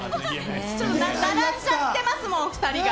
並んじゃってますもん、２人が。